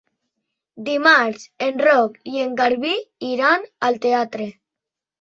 Dimarts en Roc i en Garbí iran al teatre.